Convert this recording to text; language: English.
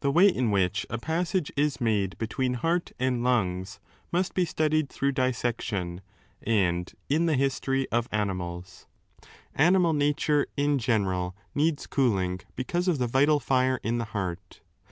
Thb way in which a passage is made between heart and lungs must be studied through dissection, and in the History of Animals} Animal nature, in general, needs cooling, because of the vital fire in the heart.